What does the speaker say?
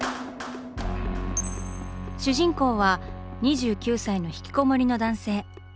主人公は２９歳の引きこもりの男性。